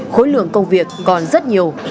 khối lượng công việc còn rất nhiều